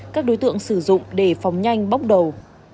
các đối tượng sử dụng để phòng nhanh bốc đầu